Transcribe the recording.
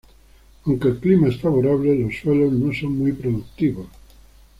Aunque el clima es favorable, los suelos no son muy productivos.